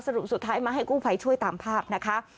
สรุปสุดท้ายมาให้กู้ภัยช่วยตามภาพนะคะ